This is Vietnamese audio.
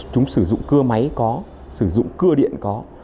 chúng sử dụng cưa máy có sử dụng cơ điện có